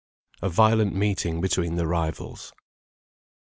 A VIOLENT MEETING BETWEEN THE RIVALS.